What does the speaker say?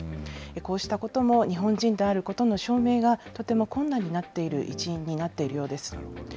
こうしたことも、日本人であることの証明がとても困難になっている一因となっているようです。